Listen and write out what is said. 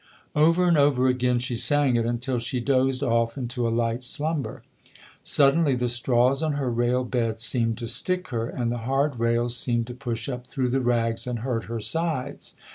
Over and over again she sang it until she dozed off into a light slumber. Suddenly the straws on her rail bed seemed to stick her and the hard rails seemed to push up through the rags and hurt her sides.